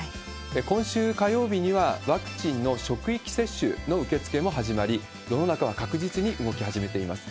今週火曜日には、ワクチンの職域接種の受け付けも始まり、世の中は確実に動き始めています。